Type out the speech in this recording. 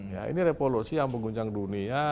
ya ini revolusi yang mengguncang dunia